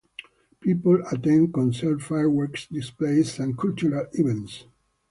People attend concerts, fireworks displays, and cultural events.